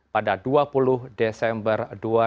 pada dua puluh desember